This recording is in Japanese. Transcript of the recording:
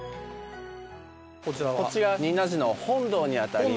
こちらは仁和寺の本堂にあたります